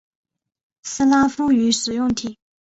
斯拉夫语使用体。